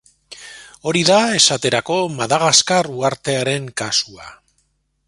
Hori da, esaterako, Madagaskar uhartearen kasua.